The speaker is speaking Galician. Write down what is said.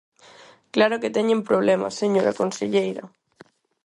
¡Claro que teñen problemas, señora conselleira!